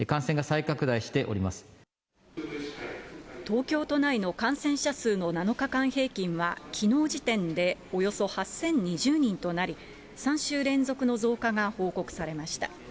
東京都内の感染者数の７日間平均は、きのう時点でおよそ８０２０人となり、３週連続の増加が報告されました。